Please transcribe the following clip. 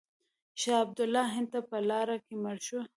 شاه عبدالله هند ته په لاره کې مړ شو.